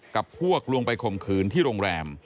กับพวกลวงไปข่มขืนที่โรงแรม